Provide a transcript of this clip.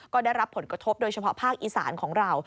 ก็ได้รับผลกระทบโดยเฉพาะภาคอีสานของเรา